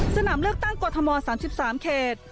สนามเลือกตั้งกรทม๓๓เขต